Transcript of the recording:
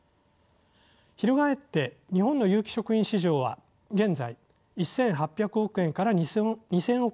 翻って日本の有機食品市場は現在１，８００億円から２，０００億円規模と見込まれています。